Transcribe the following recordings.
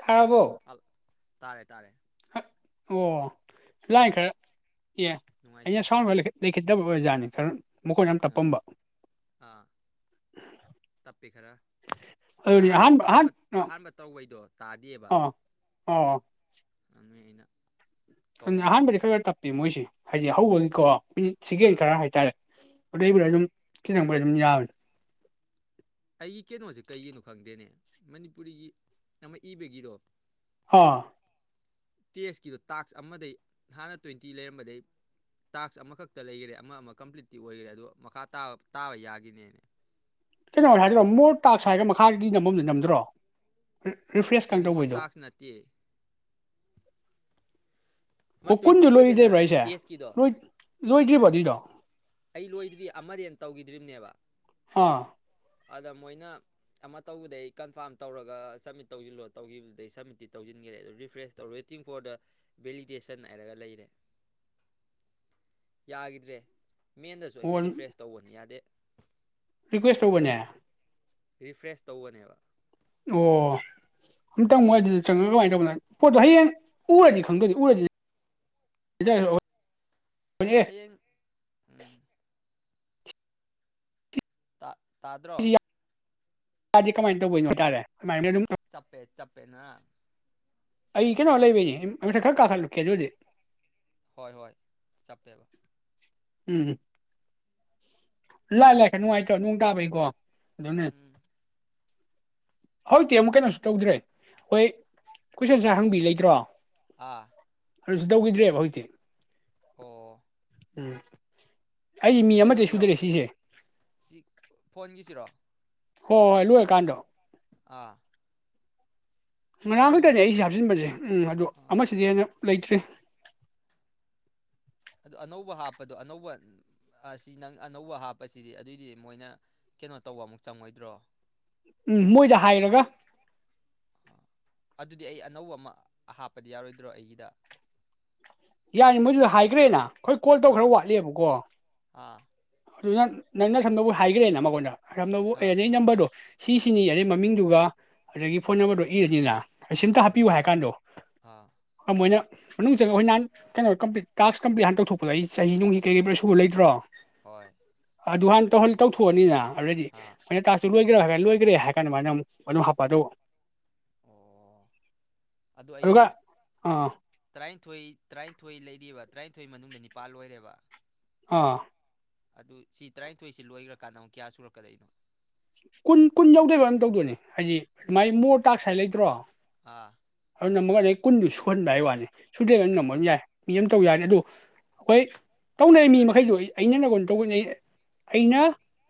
ꯇꯥꯔꯕꯣ ꯍꯜꯂꯣ ꯇꯥꯔꯦ ꯇꯥꯔꯦ ꯑ ꯑꯣ ꯂꯥꯏ ꯈꯔ ꯑꯦ ꯅꯨꯡꯉꯥꯏꯇꯦ [unintelligible] [unintelligible] ꯑꯥ ꯇꯞꯄꯝꯕ ꯑꯥ ꯇꯞꯄꯤ ꯈꯔ ꯑꯍꯥꯟ ꯑꯍꯥꯟꯕ ꯑꯍꯥꯟꯕ ꯇꯧꯕꯩꯗꯣ ꯇꯥꯗꯦꯕ ꯑꯥ ꯑꯣ ꯅꯣꯏ ꯑꯩꯅ ꯀꯧꯔꯤꯗꯣ ꯑꯗꯨꯝ ꯑꯍꯥꯟꯕꯗꯤ ꯈꯔ ꯇꯞꯄꯤ ꯃꯣꯏꯁꯦ ꯍꯥꯏꯗꯤ ꯍꯧꯕꯅꯤꯀꯣ ꯑꯥ ꯍꯣꯏ [unintelligible] ꯑꯣꯏꯔꯝ ꯌꯥꯕꯅꯦ ꯑꯩꯒꯤ ꯀꯩꯅꯣꯁꯦ ꯀꯩꯒꯤꯅꯣ ꯈꯪꯗꯦꯅꯦ ꯃꯅꯤꯄꯨꯔꯤꯒꯤ ꯑꯃ ꯏꯕꯒꯤꯗꯣ ꯑꯥ ꯇꯦꯁꯀꯤꯗꯨꯣ ꯇꯥꯛꯁ ꯑꯃꯗꯩ ꯍꯥꯟꯅ ꯇ꯭ꯋꯦꯟꯇꯤ ꯂꯩꯔꯝꯕꯗꯒꯤꯩ ꯇꯥꯛꯁ ꯑꯃꯈꯛꯇ ꯂꯩꯈꯔꯦ ꯑꯃ ꯑꯃ ꯀꯝꯄ꯭ꯂꯤꯠꯇꯤ ꯑꯣꯏꯈꯔꯦ ꯑꯗꯣ ꯃꯈꯥ ꯇꯥꯕ ꯌꯥꯈꯤꯅꯦ ꯀꯩꯅꯣ ꯑꯣꯏꯔ ꯍꯥꯏꯗꯣꯏꯣ ꯃꯣꯔ ꯇꯥꯛꯁ ꯍꯥꯏꯔꯒ ꯃꯈꯥꯗꯤ ꯅꯝꯕꯝꯗ ꯅꯝꯗ꯭ꯔꯣ ꯔꯤꯐ꯭ꯔꯦꯁ ꯇꯦ ꯀ ꯃꯣꯔ ꯇꯧꯕꯩꯗꯣ ꯇꯥꯛꯁ ꯅꯠꯇꯦ ꯑꯃ ꯇ꯭ꯋꯦꯟꯇꯤ ꯑꯣꯏꯗꯅ ꯇꯦꯁꯀꯤꯗꯣ [unintelligible] ꯂꯣꯏꯒꯤꯕꯒꯤꯔꯣ ꯑꯩ ꯂꯣꯏꯗ꯭ꯗꯤ ꯑꯃꯔꯦꯟ ꯇꯧꯒꯤꯗ꯭ꯔꯤꯝꯅꯦꯕ ꯍꯥꯥ ꯑꯗ ꯃꯣꯏꯅ ꯑꯃ ꯇꯧꯕꯗꯩ ꯀꯟꯐꯥꯝ ꯇꯧꯔꯒ ꯁꯕꯃꯤꯠ ꯇꯧꯁꯤꯜꯂꯣ ꯇꯧꯈꯤꯕꯕꯗꯩ ꯁꯝꯃꯤꯠꯇꯤ ꯇꯧꯁꯤꯟꯈꯔꯦ ꯑꯗꯨꯗꯣ ꯔꯤꯐ꯭ꯔꯦꯁ ꯇꯧꯔ ꯋꯦꯇꯤꯡ ꯐꯣꯔ ꯗ ꯚꯦꯂꯤꯗꯦꯁꯟ ꯍꯥꯏꯔꯒ ꯂꯩꯔꯦ ꯌꯥꯒꯤꯗ꯭ꯔꯦ ꯃꯦꯟꯗꯁꯨ ꯑꯩꯅ ꯑꯣ ꯔꯤꯐ꯭ꯔꯦꯁ ꯇꯧꯕꯅꯤ ꯌꯥꯗꯦ [unintelligible] ꯔꯤꯐ꯭ꯔꯦꯁ ꯇꯧꯕꯅꯦꯕ ꯑꯣ ꯑꯝꯇꯪ ꯃꯣꯏ ꯑꯗꯨꯏꯗꯨꯁꯨ ꯑꯗꯨꯗ ꯌꯥꯗꯦ ꯆꯪꯉꯒ ꯀꯃꯥꯏꯅ ꯇꯧꯕꯅꯣ ꯄꯣꯠꯇꯣ ꯍꯌꯦꯡ ꯎꯔꯗꯤ ꯈꯪꯗꯣꯏꯗꯤ ꯎꯔꯗꯤꯑꯣ ꯍꯌꯦꯡ ꯎꯝ ꯥ ꯇꯥꯗ꯭ꯔꯣ ꯇꯗꯤ ꯀꯃꯥꯏꯅ ꯇꯧꯕꯣꯏꯅꯣ ꯍꯥꯏꯇꯥꯔꯦ ꯃꯥꯏ ꯑꯗꯨꯝ ꯊꯝ ꯆꯞꯄꯦ ꯆꯞꯄꯦꯅ [unintelligible] ꯍꯣꯏ ꯍꯣꯏ ꯆꯞꯄꯦꯕ ꯎꯝ ꯂꯥꯏ ꯂꯥꯛ ꯈꯔ ꯅꯨꯡꯉꯥꯏꯇ꯭ꯔꯣ ꯅꯣꯡ ꯇꯥꯕꯩꯀꯣ ꯑꯗꯨꯅꯦ ꯎꯝ ꯍꯧꯖꯤꯛꯇꯤ ꯑꯃꯨꯛ ꯀꯩꯅꯣꯁꯨ ꯇꯧꯗ꯭ꯔꯦ ꯍꯣꯏ ꯀꯣꯏꯁꯟꯁꯦ ꯍꯪꯕꯤ ꯂꯩꯇ꯭ꯔꯣ ꯑꯥ ꯑꯗꯨꯁꯨ ꯇꯧꯈꯤꯗ꯭ꯔꯦꯕ ꯍꯧꯖꯤꯛꯇꯤ ꯑꯣ ꯎꯝ ꯑꯩ ꯃꯤ ꯑꯃꯗꯒꯤ ꯀꯩꯅꯣꯒꯤꯔꯣ ꯁꯨꯗ꯭ꯔꯦ ꯁꯤꯁꯦ ꯁꯤ ꯐꯣꯟꯒꯤꯁꯤꯔꯣ ꯍꯣꯏ ꯍꯣꯏ ꯂꯣꯏꯔ ꯀꯥꯟꯗꯣ ꯑꯥ ꯉꯔꯥꯡ ꯑꯗꯨ ꯈꯛꯇꯅꯦ ꯑꯩꯁꯦ ꯍꯥꯞꯆꯤꯟꯕꯁꯦ ꯎꯝ ꯑꯗꯣ ꯑꯥ ꯑꯃꯁꯤꯗꯤ ꯍꯦꯟꯅ ꯂꯩꯇ꯭ꯔꯦ ꯑꯗꯨ ꯑꯅꯧꯕ ꯍꯥꯞꯄꯗꯣ ꯑꯅꯧꯕ ꯑꯁꯤ ꯅꯪ ꯑꯅꯧꯕ ꯍꯥꯞꯄꯁꯤꯗꯤ ꯑꯗꯨꯑꯣꯏꯗꯤ ꯃꯣꯏꯅ ꯀꯩꯅꯣ ꯇꯧꯕ ꯑꯃꯨꯛ ꯆꯪꯉꯣꯏꯗ꯭ꯔꯣ ꯎꯝ ꯃꯣꯏꯗ ꯍꯥꯏꯔꯒ ꯑꯗꯨꯗꯤ ꯑꯩ ꯑꯅꯧꯕ ꯑꯃ ꯍꯥꯞꯄꯗꯤ ꯌꯥꯔꯣꯏꯗ꯭ꯔꯣ ꯑꯩꯒꯤꯗ ꯌꯥꯅꯤ ꯃꯣꯏꯁꯨ ꯍꯥꯏꯈ꯭ꯔꯦꯅ ꯑꯩꯈꯣꯏ ꯀꯣꯜ ꯇꯧꯈꯔ ꯑꯥ ꯋꯥꯠꯂꯤꯕꯀꯣ ꯑꯥ ꯑꯗꯨꯅ ꯅꯪꯅ ꯁꯝꯗꯕ ꯍꯥꯏꯒꯒ꯭ꯔꯦꯅ ꯃꯉꯣꯟꯗ ꯑꯥ [unintelligible] ꯁꯤꯁꯤꯅꯤ ꯌꯥꯔꯦ ꯃꯃꯤꯡꯗꯨꯒ ꯑꯗꯒꯤ ꯐꯣꯟ ꯅꯝꯕꯔꯗꯣ ꯏꯔꯅꯤꯅ ꯁꯤꯝꯇ ꯎꯝ ꯍꯥꯞꯄꯤꯌꯨ ꯍꯥꯏ ꯀꯥꯟꯗꯣ ꯑꯥ ꯃꯣꯏꯅ ꯃꯅꯨꯡ ꯆꯗ ꯑꯩꯈꯣꯏ ꯅꯍꯥꯟ ꯀꯩꯅꯣ ꯀꯝꯄ꯭ꯂꯤꯠ ꯇꯥꯛꯁ ꯀꯝꯄꯂꯤꯠ ꯍꯥꯟꯅ ꯇꯧꯊꯣꯛꯄꯗꯣ ꯑꯩ ꯆꯍꯤ ꯅꯨꯡꯒꯤ ꯀꯩ ꯁꯨꯕ ꯂꯩꯇ꯭ꯔꯣ ꯍꯣꯏ ꯑꯗꯨ ꯍꯥꯟꯅ ꯇꯧꯍꯟ ꯇꯧꯊꯣꯛꯑꯅꯤꯅ ꯑꯗꯩꯗꯤ ꯑꯥ ꯃꯣꯏꯅ ꯍꯥꯏ ꯂꯣꯏꯒꯔꯦ ꯍꯥꯏꯔꯥ ꯀꯥꯟꯗ ꯃꯥꯅ ꯑꯃꯨꯛ ꯑꯗꯨꯝ ꯍꯥꯞꯄ ꯑꯗꯨꯒ ꯑꯣ ꯑꯗꯣ ꯑꯗꯨꯒ ꯑꯩꯒꯤ ꯑꯥ ꯇꯔꯥꯅꯤꯊꯣꯏ ꯇꯔꯥꯅꯤꯊꯣꯏ ꯂꯩꯔꯤꯕ ꯇꯔꯥꯅꯤꯊꯣꯏ ꯃꯅꯨꯡꯗ ꯅꯤꯄꯥꯜ ꯑꯣꯏꯔꯦꯕ ꯑꯥ ꯑꯗꯨ ꯁꯤ ꯇꯔꯥꯅꯤꯊꯣꯏꯁꯤ ꯂꯣꯏꯈꯒ꯭ꯔꯀꯥꯟꯗ ꯑꯃꯨꯛ ꯀꯌꯥ ꯁꯨꯔꯛꯀꯗꯣꯏꯅꯣ ꯀꯨꯟ ꯀꯨꯟ ꯌꯧꯗꯣꯏꯕꯝ ꯇꯧꯗꯣꯏꯅꯦ ꯍꯥꯏꯗꯤ ꯃꯥꯏ ꯃꯣꯔꯇꯥꯛꯁ ꯍꯥꯏ ꯂꯩꯇ꯭ꯔꯣ ꯑꯥ ꯑꯗꯨꯅ ꯑꯃꯗꯩ ꯀꯨꯟꯗꯨ ꯁꯨꯍꯟꯕ ꯍꯥꯏ ꯍꯥꯏꯋꯥꯅꯤ ꯁꯨꯗꯦ ꯑꯗꯨꯝ ꯑꯣ ꯉꯝꯍꯟ ꯌꯥꯏ ꯃꯤ ꯑꯃ ꯇꯧ ꯌꯥꯔꯅꯤ ꯑꯗꯨ ꯑꯩꯈꯣꯏ ꯇꯧꯅꯔꯤ ꯃꯤ ꯃꯈꯩꯗꯣ ꯑꯩꯅ ꯅꯪꯉꯣꯟ ꯇꯧꯔꯤꯉꯩ ꯑꯩꯅ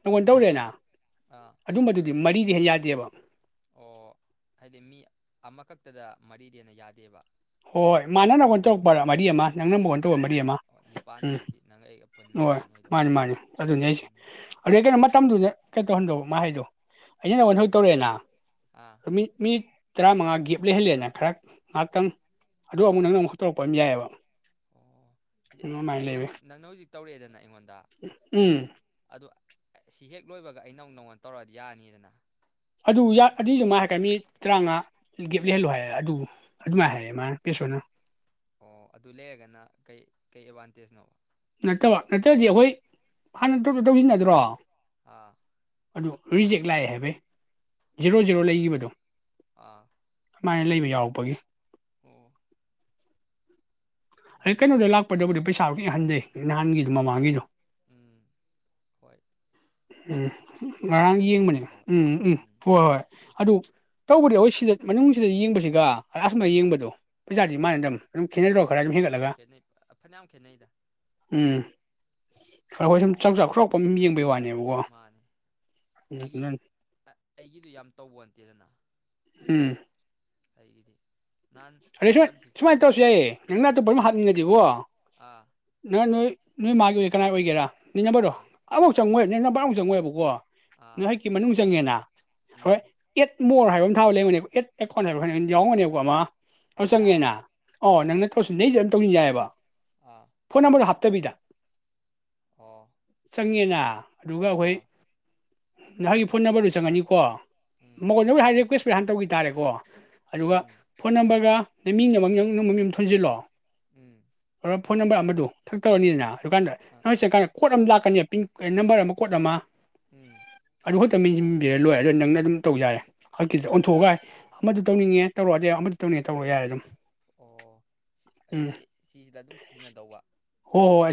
ꯅꯪꯉꯣꯟ ꯇꯧꯔꯦꯅ ꯑ ꯑꯗꯨꯝꯕꯗꯨꯗꯤ ꯃꯔꯤꯗꯩ ꯍꯦꯟ ꯌꯥꯗꯦꯕ ꯑꯣ ꯍꯥꯏꯗꯤ ꯃꯤ ꯑꯃꯈꯛꯇꯗ ꯃꯔꯤꯗꯩ ꯍꯦꯟꯅ ꯌꯥꯗꯦꯕ ꯍꯦꯟ ꯍꯣꯏ ꯃꯥꯅ ꯅꯪꯑꯣꯗ ꯎꯝ ꯇꯧꯔꯛꯄꯗ ꯃꯔꯤ ꯑꯃ ꯅꯪꯅ ꯃꯉꯣꯟ ꯇꯧꯕ ꯑꯥ ꯃꯔꯤ ꯑꯩꯅ ꯑꯃ ꯑꯣ ꯅꯤꯄꯥꯟ ꯎꯝ ꯑꯗꯨꯗꯤ ꯅꯪꯒ ꯑꯩꯒ ꯄꯨꯟꯅ ꯍꯣꯏ ꯅꯤꯄꯥꯟ ꯑꯣꯏꯗꯧꯕ ꯃꯥꯅꯤ ꯃꯥꯅꯤ ꯑꯗꯨꯅꯤ ꯑꯩꯁꯦ ꯎꯝ ꯑꯗꯩ ꯀꯩꯅꯣ ꯃꯇꯝꯗꯨꯗ ꯀꯩ ꯇꯧꯍꯟꯗꯣ ꯃꯥ ꯍꯥꯏꯗꯣ ꯑꯩꯅ ꯅꯪꯉꯣꯟ ꯍꯧ ꯇꯧꯔꯛꯑꯦꯅ ꯑꯥ ꯃꯤ ꯃꯤ ꯇꯔꯥꯃꯉꯥ ꯒꯦꯞ ꯂꯩꯍꯜꯂꯦꯅ ꯈꯔ ꯉꯥꯏꯍꯥꯛꯇꯪ ꯑꯗꯨ ꯑꯃꯨꯛ ꯑꯥ ꯅꯪꯅ ꯑꯃꯨꯛ ꯇꯧꯛꯄ ꯑꯃ ꯌꯥꯏꯑꯦꯕ ꯑꯣ ꯑꯩꯅ ꯂꯩꯕ ꯅꯪꯅ ꯍꯧꯖꯤꯛ ꯇꯧꯔꯛꯑꯦꯗꯅ ꯑꯩꯉꯣꯟꯗ ꯎꯝ ꯑꯗꯣ ꯁꯤ ꯍꯦꯛ ꯂꯣꯏꯕꯒ ꯑꯩꯅ ꯑꯃꯨꯛ ꯅꯪꯉꯣꯟꯗ ꯇꯧꯔꯛꯑꯗꯤ ꯌꯥꯅꯤꯗꯅ ꯑꯗꯨꯌ ꯑꯗꯨꯏꯑꯃ ꯍꯥꯏꯔꯛꯀꯅꯤ ꯇꯔꯥꯃꯉꯥ ꯒꯦꯞ ꯂꯩꯍꯜꯂꯨ ꯍꯥꯏꯌꯦ ꯑꯗꯨ ꯑꯗꯨꯃꯥꯏꯅ ꯍꯥꯏꯔꯛꯦ ꯃꯥꯅ ꯄꯦꯁꯣꯅ ꯑꯣ ꯑꯗꯨ ꯂꯩꯔꯒꯅ ꯀꯩ ꯀꯩ ꯑꯦꯗꯚꯥꯟꯇꯦꯖꯅꯣ ꯅꯠꯇꯕ ꯅꯠꯇ꯭ꯔꯗꯤ ꯑꯩꯈꯣꯏ ꯍꯥꯟꯅ ꯇꯧ ꯇꯧꯁꯤꯟꯅꯗ꯭ꯔꯣ ꯑꯥ ꯑꯗꯨ ꯔꯤꯖꯦꯛ ꯂꯥꯛꯑꯦ ꯍꯥꯏꯕꯩ ꯖꯦꯔꯣ ꯖꯦꯔꯣ ꯑꯣ ꯂꯩꯈꯤꯕꯗꯣ ꯑꯥ ꯑꯗꯨꯃꯥꯏꯅ ꯂꯩꯕ ꯌꯥꯎꯔꯛꯄꯒꯤ ꯑꯣ ꯍꯣꯏ ꯑꯩ ꯀꯩꯅꯣꯗ ꯌꯦꯡꯉꯁꯤ ꯂꯥꯛꯄꯗꯕꯨꯗꯤ ꯄꯩꯁꯥ ꯍꯟꯗꯩ ꯅꯍꯥꯟꯒꯤꯗꯣ ꯃꯃꯥꯒꯤꯗꯣ ꯎꯝ ꯍꯣꯏ ꯎꯝ ꯄꯩꯁꯥ ꯉꯔꯥꯡ ꯂꯥꯛꯄꯗꯕꯨꯗꯤ ꯌꯦꯡꯕꯅꯦ ꯍꯟꯊꯕ ꯎꯝ ꯎꯝ ꯍꯣꯏ ꯍꯣꯏ ꯑꯗꯨ ꯇꯧꯕꯗꯤ ꯍꯣꯏ ꯁꯤꯗ ꯃꯅꯨꯡꯁꯤꯗ ꯌꯦꯡꯕꯁꯤꯒ ꯑꯥ ꯌꯦꯡꯕꯗꯣ ꯄꯩꯖꯥ ꯑꯗꯨ ꯃꯥꯅꯗꯝꯅꯦ ꯑꯗꯨꯝ ꯈꯦꯅꯥꯗ꯭ꯔꯣ ꯍꯣꯏ ꯈꯦꯠꯅꯩ ꯐꯅꯌꯥꯝ ꯈꯦꯠꯅꯩꯗ ꯍꯣꯏ ꯁꯨꯝ ꯆꯥꯎꯪꯖ ꯈ꯭ꯔꯣꯛꯄꯝ ꯌꯦꯡꯕꯒꯤ ꯋꯥꯅꯤ ꯃꯥꯅꯦ ꯑꯩꯒꯤ ꯑꯩꯒꯤꯗꯨ ꯌꯥꯝ ꯇꯧꯕ ꯅꯇꯦꯗꯅ ꯎꯝ ꯑꯩꯒꯤꯗꯤ ꯅꯍꯥꯟ ꯑꯗ ꯁ ꯋꯥꯟ ꯐꯤꯐꯇꯤ ꯁꯨꯃꯥꯏꯅ ꯇꯧꯁꯤ ꯌꯥ ꯅꯪꯅ ꯑꯇꯣꯞꯄ ꯑꯃ ꯑꯥ ꯍꯥꯞꯅꯤꯡꯉꯗꯤꯕꯣ ꯑꯥ ꯅꯪ ꯅꯣꯏ ꯅꯣꯏ ꯃꯥꯒꯤ ꯑꯣꯏ ꯀꯅꯥꯏ ꯑꯣꯏꯒꯦꯔꯥ ꯅꯤꯡꯉꯕꯔꯣ ꯑꯥ ꯑꯝꯕꯨ ꯆꯪꯉꯣꯏ ꯅꯦꯅꯕꯥꯎ ꯃꯨ ꯆꯪꯉꯣꯏꯕꯀꯣ ꯑꯥ ꯉꯥꯏꯍꯥꯛꯀꯤ ꯃꯅꯨꯡ ꯆꯪꯉꯦꯅ ꯍꯣꯏ ꯎꯝ ꯑꯦꯠ ꯃꯣꯔ ꯍꯥꯏꯕ ꯑꯃ ꯊꯕ ꯂꯩꯕꯅꯦꯕ ꯑꯦꯠ ꯑꯦꯀꯥꯎꯟ ꯍꯥꯏꯕ ꯑꯃ ꯍꯥꯏ ꯌꯥꯎꯔꯝꯒꯅꯤꯕꯀꯣ ꯑꯃ ꯑꯣ ꯑꯩꯅ ꯆꯪꯉꯦꯅ ꯑꯣ ꯅꯪꯅ ꯇꯧꯁꯤꯟꯅꯩ ꯑꯗꯨꯝ ꯇꯧꯁꯤꯟ ꯌꯥꯏꯑꯕ ꯑꯥ ꯐꯣꯟ ꯅꯝꯕꯔ ꯍꯥꯞ ꯇꯕꯤꯗ ꯑꯣ ꯆꯉꯦꯅꯥ ꯑ ꯑꯗꯨꯒ ꯑꯩꯈꯣꯏ ꯑꯥ ꯉꯍꯥꯟꯒꯤ ꯐꯣꯟ ꯅꯝꯕꯔꯗꯨ ꯆꯪꯉꯅꯤꯀꯣ ꯎꯝ ꯃꯧ ꯑꯅꯧꯕꯤ ꯍꯥꯏꯔꯦ ꯔꯤꯀꯌꯦꯁ ꯀꯨꯠ ꯍꯥꯟ ꯇꯧꯈꯤ ꯇꯔꯦꯀꯣ ꯑꯗꯨꯒ ꯎꯝ ꯊꯝꯕꯒ ꯅ ꯃꯤꯡ ꯑꯃ ꯅꯃꯤꯡ ꯑꯃ ꯊꯣꯟꯖꯜꯂꯣ ꯎꯝ ꯐꯣꯟ ꯅꯝꯕꯔ ꯑꯃꯗꯣ ꯊꯛꯇꯧꯔꯅꯤꯗꯅ ꯗꯨꯀꯥꯟꯗ ꯑꯥ ꯅꯣꯏ ꯆꯦ ꯀ ꯀꯣꯠ ꯑꯃ ꯂꯥꯛꯀꯅꯦ ꯄꯤꯟ ꯅꯝꯕꯔ ꯑꯃ ꯀꯣꯠ ꯑꯃ ꯎꯝ ꯂꯨꯈꯠꯇ ꯃꯦꯟꯁꯤꯟꯕꯤꯔ ꯂꯣꯏ ꯑꯗꯨ ꯅꯪꯅ ꯑꯗꯨꯝ ꯇꯧ ꯌꯥꯔꯦ ꯍꯛꯀꯤꯗ ꯑꯣꯟꯊꯣꯛꯑꯒ ꯃꯗꯨ ꯇꯧꯅꯤꯡꯉꯦ ꯇꯧꯔꯛꯑꯗꯤ ꯑꯃ ꯁꯤꯛꯇꯧꯅꯦ ꯇꯧꯕ ꯌꯥꯔꯦ ꯑꯗꯨꯝ ꯑꯣ ꯁꯤ ꯎꯝ ꯁꯤꯁꯤꯗ ꯑꯗꯨꯝ ꯁꯤꯖꯤꯟꯅꯗꯧꯕ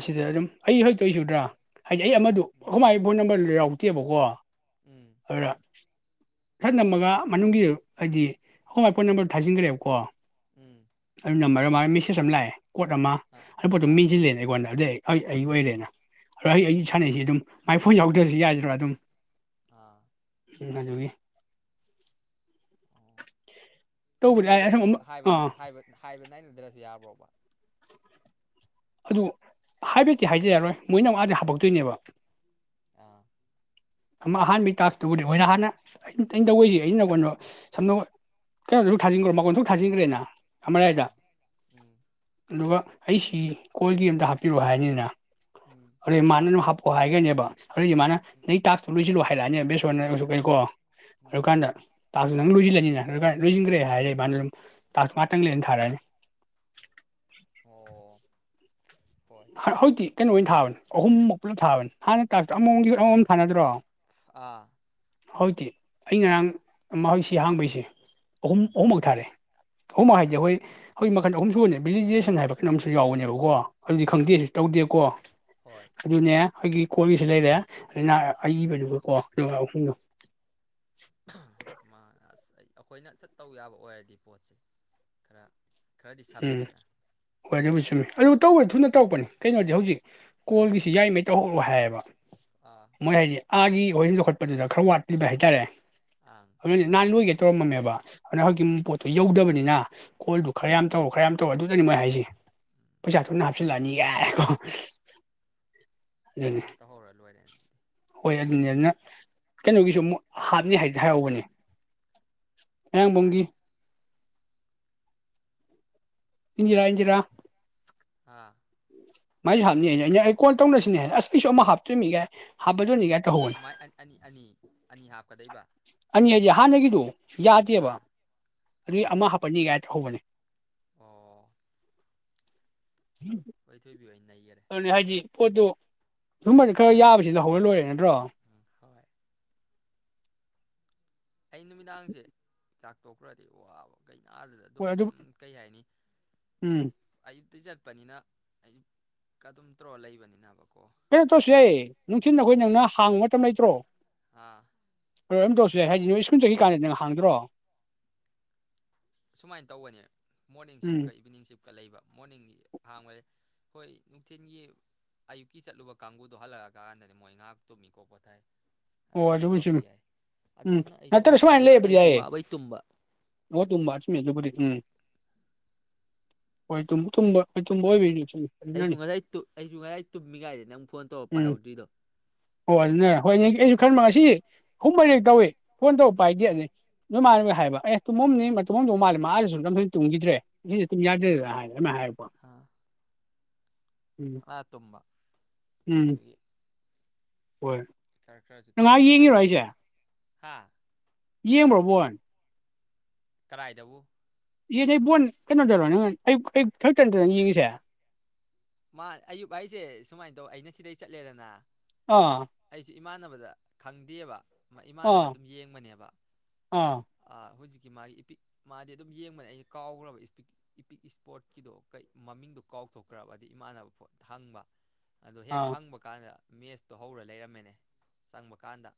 ꯁꯤꯗ ꯑꯗꯨꯝ ꯑꯩ ꯍꯣꯏ ꯇꯧꯏꯁꯦ ꯎꯗ꯭ꯔꯥ ꯍꯥꯏꯗꯤ ꯑꯩ ꯑꯃꯗꯣ ꯎꯝ ꯈꯣꯏ ꯃꯥꯏ ꯐꯣꯟ ꯅꯝꯕꯔꯗꯨ ꯌꯥꯎ ꯇꯦꯕꯀꯣ ꯎꯝ ꯑꯗꯨꯅ ꯆꯠ ꯅꯝꯃꯒ ꯃꯅꯨꯡꯒꯤ ꯍꯥꯏꯗꯤ ꯑꯈꯣꯏ ꯃꯥ ꯄꯣꯟ ꯅꯝꯕꯔ ꯊꯥꯖꯤꯟꯈ꯭ꯔꯦꯕ ꯀꯣ ꯎꯝ ꯑꯩꯅ ꯃꯔꯨ ꯃꯥ ꯃꯦꯁꯦꯁ ꯑꯃ ꯂꯥꯛꯑꯦ [unintelligible] ꯃꯥꯏꯐꯣꯟ ꯑꯥ ꯑꯥ ꯎꯝ ꯑꯣ ꯌꯥꯎꯗ꯭ꯔꯁꯨ ꯌꯥꯏꯗ꯭ꯔꯣ ꯑꯗꯨꯝ ꯑꯥ ꯎꯝ [inaudible] ꯑꯣ ꯑꯗꯨ ꯃꯣꯏꯗ ꯑꯁꯨꯝ ꯑꯃ ꯑꯃꯨꯛ ꯍꯥꯏꯕꯗꯤ ꯑꯥ ꯍꯥꯏꯕ ꯅꯥꯏꯅꯗ꯭ꯔꯁꯨ ꯌꯥꯕ꯭ꯔꯣꯕ ꯑꯗꯨ ꯍꯥꯏꯐꯦꯠꯇꯤ ꯍꯥꯏꯖ ꯌꯥꯔꯣꯏ ꯃꯣꯏꯅ ꯃꯥꯁꯦ ꯍꯥꯞꯄꯛꯇꯣꯏꯅꯦꯕ ꯑꯥ [unintelligible] ꯑꯃꯔꯥꯏꯗ ꯑꯥ ꯎꯝ ꯑꯗꯨꯒ ꯑꯩꯁꯤ ꯀꯣꯜꯒꯤ ꯑꯝꯇ ꯍꯥꯞꯄꯤꯔꯛꯑꯣ ꯍꯥꯏꯔꯅꯤꯗꯅ ꯎꯝ [unintelligible] [unintelligible] ꯑꯗꯨ [unintelligible] ꯎꯝ [unintelligible] ꯗꯨ ꯎꯝ ꯀꯥꯟꯗ [unintelligible] ꯂꯣꯏꯁꯤꯟꯈ꯭ꯔꯦ ꯍꯥꯏꯔꯦ ꯃꯥꯅ ꯇꯥꯛꯁ [unintelligible] ꯑꯣ ꯍꯣꯏ ꯍꯔꯥꯎꯗꯤ ꯀꯩꯅꯣ ꯑꯣꯏꯅ ꯊꯥꯕꯅꯤ ꯑꯍꯨꯝꯃꯨꯛ ꯄꯨꯂꯞ ꯊꯥꯕꯅꯤ ꯍꯥꯟꯅ ꯇꯥꯛꯁ ꯑꯃꯃꯝ ꯑꯃꯃꯝꯒꯤ ꯊꯥꯅꯗ꯭ꯔꯣ ꯑꯥ ꯍꯧꯖꯤꯛꯇꯤ ꯑꯩ ꯉꯔꯥꯡ ꯁꯤ ꯍꯥꯡꯕꯩꯁꯦ ꯑꯍꯨꯝ ꯎꯝ ꯑꯍꯨꯝꯃꯛ ꯊꯥꯔꯦ ꯑꯍꯨꯝꯃꯛ ꯑꯣ ꯍꯥꯏꯗꯤ ꯑꯩꯈꯣꯏ ꯍꯧꯖꯤꯛ ꯃꯈꯜ ꯑꯍꯨꯝꯁꯨ ꯑꯣꯏꯅ ꯚꯦꯂꯤꯗꯦꯁꯟ ꯍꯥꯏꯕ ꯀꯩꯅꯣꯝꯁꯨ ꯌꯥꯎꯕꯅꯦꯕꯀꯣ ꯑꯗꯨꯗꯤ ꯑꯥ ꯈꯪꯗꯦꯁꯨ ꯇꯧꯗꯦꯀꯣ ꯍꯣꯏ ꯑꯗꯨꯅꯦ [unintelligible] ꯃꯥ ꯑꯁ ꯑꯩꯈꯣꯏꯅ ꯆꯠꯇꯧ ꯌꯥꯕ ꯑꯣꯏꯔꯗꯤ ꯄꯣꯠꯁꯦ ꯈꯔ ꯈꯔꯗꯤ ꯁꯝꯃꯤꯗꯅ [unintelligible] ꯑꯗꯨ ꯇꯧꯔꯦ ꯊꯨꯅ ꯇꯧꯔꯛꯄꯅꯤ ꯀꯩꯅꯣꯗꯤ ꯍꯧꯖꯤꯛ ꯀꯣꯜꯒꯤꯁꯤ ꯌꯥꯏꯔꯤ ꯃꯈꯩ ꯇꯧꯔꯛꯑꯣ ꯍꯥꯏꯌꯦꯕ ꯑꯥ ꯃꯣꯏ ꯍꯥꯏꯗꯤ ꯑꯥꯒꯤ ꯍꯣꯏꯒꯤ ꯂꯧꯈꯠꯄꯗꯨꯗ ꯈꯔ ꯋꯥꯠꯂꯤꯕ ꯍꯥꯏꯇꯥꯔꯦ ꯑꯪ [unintelligible] ꯇꯧꯔꯝꯃꯝꯃꯦꯕ ꯑꯗꯨꯅ ꯍꯧꯖꯤꯛꯀꯤ ꯄꯣꯠꯇꯣ ꯌꯧꯗꯕꯅꯤꯅ ꯀꯣꯜꯗꯣ ꯈꯔ ꯌꯥꯝ ꯇꯧ ꯇꯧ ꯈꯔ ꯌꯥꯝ ꯇꯧ ꯑꯗꯨꯗꯅꯤ ꯃꯣꯏ ꯍꯥꯏꯁꯦ ꯎꯝ ꯄꯩꯁꯥ ꯊꯨꯅ ꯍꯥꯞꯆꯤꯜꯂꯛꯑꯅꯤ ꯀꯥꯏꯅ ꯀꯣ ꯈꯔ ꯌꯥꯝ ꯇꯧꯍꯧꯔ ꯂꯣꯏꯔꯦꯅ ꯑꯗꯨꯗꯤ ꯍꯣꯏ ꯑꯗꯨꯅ ꯀꯩꯅꯣꯒꯤꯁꯨ ꯑꯃꯨꯛ ꯍꯥꯠꯅꯤ ꯍꯥꯏꯗꯤ ꯍꯥꯏꯍꯧꯕꯅꯦ ꯈꯣꯡꯕꯣꯡꯒꯤ ꯀꯅꯥꯒꯤ ꯏꯅꯦ ꯍꯥꯢꯍꯟꯖꯤꯔꯥ ꯑꯥ ꯃꯥꯏ ꯍꯥꯞꯅꯤꯅꯦ ꯑꯩꯅ ꯑꯩ ꯀꯣꯟ ꯇꯧꯅꯁꯤꯅꯦ ꯑꯁ ꯑꯩꯁꯨ ꯑꯃ ꯍꯥꯞꯇꯣꯏꯃꯤꯒꯦ ꯍꯥꯞ ꯥꯑꯣꯃꯥꯏ ꯑꯅꯤ ꯑꯅꯤ ꯑꯅꯤ ꯍꯥꯞ ꯀꯗꯩꯏꯕ ꯃꯤ ꯍꯥꯢꯖꯦ ꯍꯥꯟꯅꯒꯤꯗꯣ ꯌꯥꯗꯦꯕ ꯑꯥ ꯑꯗꯨꯏ ꯑꯃ ꯍꯥꯞꯄꯟꯅꯤ ꯒꯥꯏ ꯇꯧꯍꯧꯕꯅꯦ ꯑꯣ [unintelligible] ꯍꯣꯏ ꯊꯣꯏꯕꯤ ꯍꯣꯏ ꯅꯩꯒꯔꯦ ꯑꯅꯦ ꯍꯥꯢꯁꯦ ꯄꯣꯗꯣ ꯁꯨꯝꯕꯁꯦ ꯈꯔ ꯌꯥꯕꯁꯦ ꯂꯧꯍꯧꯔ ꯂꯣꯏꯔꯦ ꯅꯠꯇ꯭ꯔꯣ ꯎꯝ ꯍꯣꯏ ꯑꯩ ꯅꯨꯃꯤꯗꯥꯡꯁꯦ ꯆꯥꯛ ꯇꯣꯇꯔꯥꯗꯤ ꯑꯋꯥꯕ ꯀꯩ ꯑꯥ ꯑꯗꯨꯗ ꯍꯣꯏ ꯑꯗꯨꯝ ꯑꯗꯨ ꯀꯩ ꯍꯥꯏꯅꯤ ꯎꯝ ꯑꯩ ꯁꯤ ꯆꯩꯄꯅꯤꯅ ꯑꯌꯨꯛ ꯀꯥ ꯗꯨꯝ ꯇ꯭ꯔꯣ ꯂꯩꯕꯅꯤꯅꯕꯀꯣ ꯀꯩꯅꯣ ꯇꯧꯁꯦ ꯅꯨꯡꯊꯤꯟꯗ ꯑꯩꯈꯣꯏꯅ ꯉꯥ ꯍꯥꯡ ꯃꯇꯝ ꯂꯩꯇ꯭ꯔꯣ ꯑꯥ ꯍꯣꯔꯦꯟ ꯇꯧꯁꯦ ꯍꯥꯢꯁꯦ ꯑꯩ ꯁ꯭ꯀ꯭ꯨꯜ ꯆꯠꯈꯤꯀꯥꯟꯗ ꯅꯪ ꯍꯥꯡꯗꯣꯔꯣ ꯁꯨꯃꯥꯏꯅ ꯇꯧꯕꯅꯦ ꯃꯣꯔꯅꯤꯡ ꯎꯝ ꯁꯤꯞꯀ ꯏꯚꯤꯅꯤꯡ ꯁꯤꯞꯀ ꯂꯩꯕ ꯃꯣꯔꯅꯤꯡꯒꯤ ꯍꯥꯡꯕ ꯍꯣꯏ ꯅꯨꯡꯊꯤꯟꯒꯤ ꯑꯌꯨꯛꯀꯤ ꯆꯠꯂꯨꯕ ꯀꯥꯡꯕꯨꯗꯣ ꯍꯜꯂꯛꯑꯀꯥꯟꯗꯅꯦ ꯃꯣꯏ ꯉꯥꯏꯍꯥꯛ ꯇꯨꯝꯃꯤꯀꯣ ꯄꯣꯊꯥꯏ ꯑꯣ ꯑꯗꯨꯀꯥꯟ ꯑꯗꯨꯕꯨꯗꯤ ꯇꯧꯔꯁꯨ ꯆꯨꯝꯃꯤ ꯌꯥꯏ ꯎꯝ ꯑꯗꯨꯗꯨꯅ ꯑꯩꯁꯨ ꯅꯠꯇ꯭ꯔ ꯑꯃꯨꯛ ꯁꯨꯃꯥꯏꯅ ꯑꯩꯁꯨ ꯂꯩꯕꯗꯤ ꯑꯩꯁꯨ ꯋꯥꯕꯩ ꯇꯨꯝꯕ ꯅꯦꯠ ꯌꯧꯕꯕꯗ ꯏꯡ ꯍꯣꯢ ꯊꯨꯝꯁꯨ ꯊꯨꯝꯕ ꯑꯊꯨꯝꯕ ꯑꯣꯢꯕꯩꯅꯦ ꯑꯩꯁꯨ ꯉꯁꯥꯏ ꯇꯨ ꯑꯩꯁꯨ ꯉꯁꯥꯏ ꯇꯨꯝꯃꯤꯉꯥꯏꯗ ꯅꯪ ꯐꯣꯟ ꯇꯧꯕ ꯎꯝ ꯄꯥꯏꯍꯧꯗ꯭ꯔꯤꯗꯣ ꯑꯣ ꯑꯗꯨꯅ ꯍꯣꯏꯅꯦ ꯑꯩꯁꯨ ꯈꯟꯕ ꯉꯁꯤ ꯑꯍꯨꯝ ꯃꯔꯤꯛꯔꯛ ꯇꯧꯏ ꯐꯣꯟ ꯇꯧ ꯄꯥꯏꯗꯦ ꯑꯗꯨ ꯅꯣꯏ ꯃꯥꯅ ꯍꯥꯏꯕ ꯑꯦ ꯇꯨꯝꯃꯝꯅꯤ ꯃꯥ ꯇꯨꯝꯃꯝꯗꯧ ꯃꯥꯜꯂꯦ ꯃꯥꯑꯗꯁꯨ ꯅꯝꯐꯩ ꯇꯨꯝꯈꯤꯗ꯭ꯔꯦ ꯌꯦ ꯇꯨꯝ ꯌꯥꯗꯔꯦꯒ ꯍꯥꯢ ꯑꯃꯥꯢ ꯍꯥꯢꯌꯦꯕ ꯀꯣ ꯑ ꯇꯨꯝꯕ ꯎꯝ ꯑꯗꯨꯒꯤ ꯍꯣꯏ ꯈꯔ ꯈꯔꯁꯨ ꯅꯪ ꯉꯥꯏꯍꯥꯛ ꯇꯨꯝꯗ ꯌꯥꯗꯦ ꯀꯥꯏꯅ ꯍꯥꯥ ꯌꯦꯡꯕꯔꯣ ꯕꯣꯟ ꯀꯔꯥꯏꯗꯕꯨ ꯌꯦꯅꯦ ꯕꯣꯟ ꯀꯩꯅꯣ ꯗꯔꯣ ꯑꯩ ꯑꯩ ꯊꯛꯇ ꯅꯠꯇꯗ ꯌꯦꯡꯉꯤꯁꯦ ꯃꯥ ꯑꯌꯨꯛ ꯍꯥꯏꯁꯦ ꯁꯨꯃꯥꯏꯅ ꯇꯧ ꯑꯩꯅ ꯁꯤꯗꯩ ꯆꯠꯂꯦꯗꯅ ꯑꯥ ꯑꯩꯁꯨ ꯏꯃꯥꯟꯅꯕꯗ ꯈꯪꯗꯦꯕ ꯏꯃꯥꯟꯅꯕ ꯑꯥ ꯑꯗꯨꯝ ꯌꯦꯡꯕꯅꯦꯕ ꯑꯥ ꯑꯥ ꯍꯧꯖꯤꯛ ꯃꯥꯒꯤ ꯏꯄꯤꯛ ꯃꯥꯗꯤ ꯑꯗꯨꯝ ꯌꯦꯡꯕꯅꯦ ꯑꯩꯅ ꯀꯥꯎꯈ꯭ꯔꯕꯄꯤꯛ ꯏꯄꯤꯛ ꯏꯁꯄꯣꯔꯠꯀꯤꯗꯣ ꯀꯩ ꯃꯃꯤꯡꯗꯣ ꯀꯥꯎꯊꯣꯛꯈ꯭ꯔꯕ ꯑ ꯏꯃꯥꯟꯅꯕ ꯄꯣꯠ ꯍꯪꯕ ꯑꯗꯨ ꯍꯦꯛ ꯑꯥ ꯍꯪꯕ ꯀꯥꯟꯗ ꯃꯦꯁꯇꯣ ꯍꯧꯔ ꯂꯩꯔꯝꯃꯦꯅꯦ ꯆꯪꯕ ꯀꯥꯟꯗ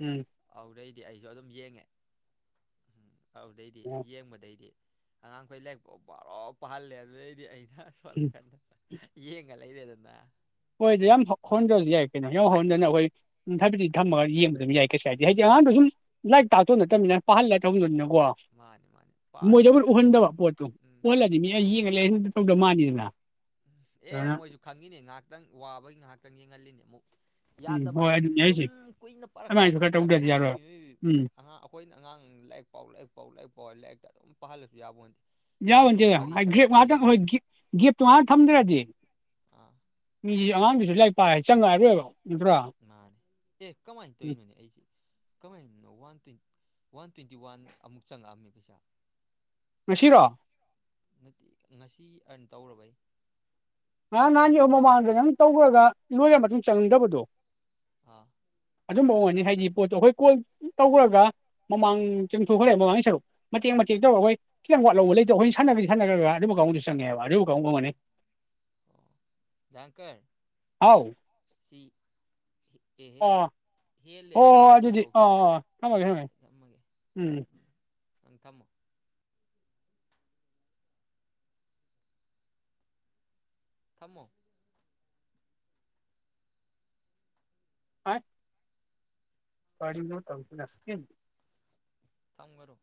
ꯎꯝ ꯍꯧꯔꯛꯏꯗꯤ ꯑꯩꯁꯨ ꯑꯗꯨꯝ ꯌꯦꯡꯉꯦ ꯑꯗꯨꯗꯩꯗꯤ ꯑꯣ ꯌꯦꯡꯕꯗꯩꯗꯤ ꯑꯉꯥꯡꯈꯩ ꯂꯥꯏꯔꯤꯛꯄꯧ ꯄꯥꯍꯜꯂꯦ ꯑꯗꯨꯗꯩꯗꯤ ꯑꯩ ꯎꯝ [unintelligible] ꯌꯦꯡꯉ ꯂꯩꯔꯦ ꯗꯅ ꯍꯣꯏ ꯑꯗꯨ ꯌꯥꯝ ꯍꯣꯔꯅꯗꯕꯁꯨ ꯌꯥꯏ ꯀꯩꯅꯣ ꯌꯥꯝ ꯍꯣꯟꯗꯅ ꯑꯩꯈꯣꯏ ꯊꯕꯗꯤꯛ ꯑꯥ ꯊꯝꯃꯒ ꯌꯦꯡꯕ ꯑꯗꯨꯝ ꯌꯥꯏ ꯀꯩꯁꯨ ꯍꯥꯏꯗꯤ ꯍꯥꯏꯗꯤ ꯑꯉꯥꯡꯗꯁꯨ ꯁꯨꯝ ꯂꯥꯏꯔꯤꯛ ꯇꯥꯛꯇꯧ ꯅꯠꯇꯕꯅꯤꯅ ꯄꯥꯍꯜ ꯊꯝꯗꯧꯅꯤꯅ ꯀꯣ ꯃꯥꯅꯤ ꯃꯥꯅꯤ ꯄꯥ ꯃꯣꯏꯗꯕꯨ ꯃꯣꯏ ꯎꯍꯟꯗꯕ ꯄꯣꯠꯇꯣ ꯎꯝ ꯎꯍꯜꯂꯗꯤ ꯃꯤꯅ ꯌꯦꯡꯉ ꯂꯩ ꯇꯧꯗꯧ ꯃꯥꯅꯤꯗꯅ ꯑꯦ ꯑꯗꯨꯅ ꯃꯣꯏꯁꯨ ꯈꯪꯉꯤꯅꯦ ꯉꯥꯏꯍꯥꯛꯇꯪ ꯋꯥꯕ ꯉꯥꯏꯍꯇꯪ ꯌꯦꯡꯍꯜꯂꯤꯅꯦ ꯎꯝ ꯌꯥꯗꯕ ꯍꯣꯏ ꯑꯗꯨꯅꯤ ꯁꯨꯝ ꯑꯩꯁꯦ ꯀꯨꯏꯅ ꯑꯗꯨꯃꯥꯏꯅꯁꯨ ꯄꯥꯔꯛꯀꯥꯟꯗꯗꯤ ꯈꯔ ꯇꯧꯗ꯭ꯔꯗꯤ ꯀꯗꯥꯏꯗꯒꯤ ꯌꯥꯔꯣꯏ ꯏꯏ ꯎꯝ ꯑꯩꯈꯣꯏꯅ ꯑꯉꯥꯡ ꯂꯥꯏꯔꯤꯛ ꯄꯥꯎ ꯂꯥꯏꯔꯤꯛ ꯄꯥꯎ ꯂꯥꯏꯔꯤꯛ ꯄꯥꯎ ꯂꯥꯏꯔꯤꯛ ꯀ ꯄꯥꯜꯂꯁꯨ ꯌꯥꯄꯣꯟꯇꯦ ꯌꯥꯎꯅꯤꯁꯦ ꯒꯦꯞ ꯉꯥꯛꯇꯪ ꯍꯣꯏ ꯒꯦꯞꯇꯣ ꯉꯍꯥꯛ ꯊꯝꯗ꯭ꯔꯦ ꯑꯦ ꯑꯥ ꯃꯤꯒꯤ ꯑꯉꯥꯡꯗꯨꯁꯨ ꯂꯥꯏꯔꯤꯛ ꯄꯥꯏꯔꯗꯤ ꯆꯪꯉꯥꯛꯑꯔꯣꯏꯕ ꯃꯥꯅꯦ ꯑꯦ ꯀꯃꯥꯏ ꯎꯝ ꯇꯧꯏꯅꯣ ꯑꯩꯁꯦ ꯀꯃꯥꯏ one two one twenty one ꯑꯃꯨꯛ ꯆꯪꯉꯛꯑꯝꯃꯤ ꯄꯩꯁꯥ ꯉꯁꯤꯔꯣ ꯅꯠꯇꯦ ꯉꯁꯤ ꯑꯟ ꯇꯧꯔꯕꯩ ꯉꯔꯥꯡ ꯅꯍꯥꯟꯒꯤ ꯃꯃꯥꯡꯗ ꯅꯪ ꯇꯧꯈ꯭ꯔꯒ ꯂꯣꯏꯔ ꯃꯇꯨꯡ ꯆꯪꯅꯤꯡꯗꯕꯗꯣ ꯑꯥ ꯑꯗꯨꯝꯕ ꯑꯣꯏꯅꯤ ꯍꯥꯏꯗꯤ ꯄꯣꯠꯇꯣ ꯑꯩꯈꯣꯏ ꯀꯣꯜ ꯇꯧꯈ꯭ꯔꯒ ꯃꯃꯥꯡ ꯎꯝ ꯆꯨꯝ ꯈꯣꯛꯈ꯭ꯔꯦ ꯃꯃꯥꯡꯁꯨ [unintelligible] ꯑꯗꯨꯕꯨ ꯀꯥꯎꯧꯗꯤ ꯑꯥ ꯆꯪꯉꯦꯕ ꯑꯗꯨꯕꯨ ꯀꯥꯎ ꯀꯪꯉꯅꯤ [unintelligible] ꯍꯥꯎ ꯁꯤ ꯑꯦꯍꯦ ꯍꯦꯜꯂꯦ ꯑꯣ ꯑꯗꯨ ꯀꯩꯅꯣ ꯑꯗꯨꯗꯤ ꯑ ꯇꯧꯁꯦ ꯑ ꯊꯝꯃꯒꯦ ꯊꯝꯃꯒꯦ ꯎꯝ ꯎꯝ ꯊꯝꯃꯣ ꯊꯝꯃꯣ ꯍꯥ ꯀꯔꯤꯅꯣ ꯇꯧꯔꯤꯁꯤꯅ ꯊꯝꯒꯅꯣ